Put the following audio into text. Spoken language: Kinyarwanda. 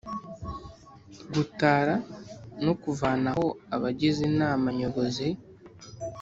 Gutara no kuvanaho abagize Inama Nyobozi